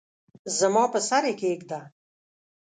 زما پر سر یې کښېږده !